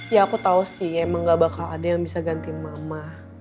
ya aku tau sih emang gak bakal ada yang bisa ganti mama